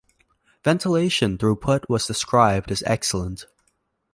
Ventilation through-put was described as "excellent".